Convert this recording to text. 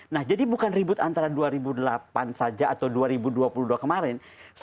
nah jadi bukan ribut antara dua ribu delapan saja atau dua ribu dua puluh dua kemarin